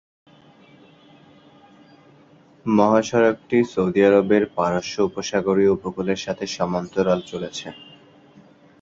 মহাসড়কটি সৌদি আরবের পারস্য উপসাগরীয় উপকূলের সাথে সমান্তরালে চলেছে।